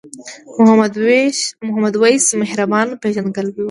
محمد وېس مهربان پیژندګلوي وه.